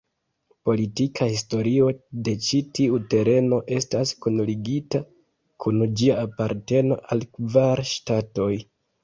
Politika historio de ĉi tiu tereno estas kunligita kun ĝia aparteno al kvar ŝtatoj.